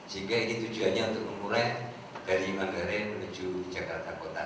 sehingga ini tujuannya untuk mengurai dari manggarai menuju jakarta kota